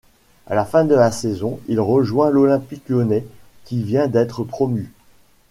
À la fin de la saison il rejoint l'Olympique lyonnais qui vient d’être promut.